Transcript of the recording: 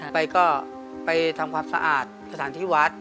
ไปก็ไปทำความสะอาดสถานที่วัด